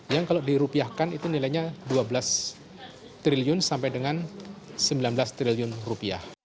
yang kalau dirupiahkan itu nilainya dua belas triliun sampai dengan sembilan belas triliun rupiah